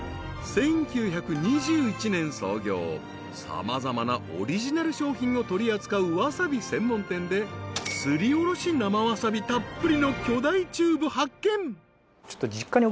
様々なオリジナル商品を取り扱うわさび専門店ですりおろし生わさびたっぷりの巨大チューブ発見］